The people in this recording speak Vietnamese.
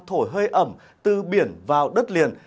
thổi hơi ẩm từ biển vào đất liền